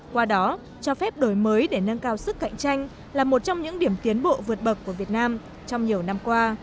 qua đó cho phép đổi mới để nâng cao sức cạnh tranh là một trong những điểm tiến bộ vượt bậc của việt nam trong nhiều năm qua